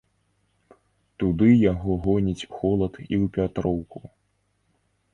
Туды яго гоніць холад і ў пятроўку.